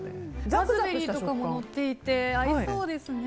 ラズベリーとかものっていて合いそうですね。